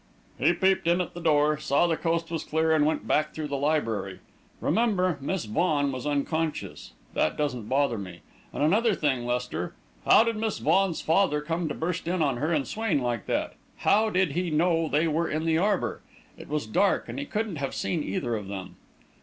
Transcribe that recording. "He peeped in at the door, saw the coast was clear, and went back through the library. Remember, Miss Vaughan was unconscious. That doesn't bother me. And another thing, Lester. How did Miss Vaughan's father come to burst in on her and Swain like that? How did he know they were in the arbour? It was dark and he couldn't have seen either of them."